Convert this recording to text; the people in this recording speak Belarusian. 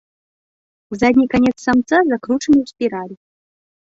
Задні канец самца закручаны ў спіраль.